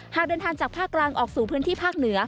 หากเดินทางจากภาคกลางออกสู่พื้นที่ภาคเหนือ